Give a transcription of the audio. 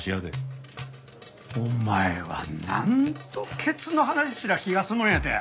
お前は何度ケツの話すりゃ気が済むんやて！